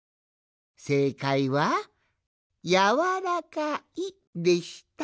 せいかいは「やわらかい」でした。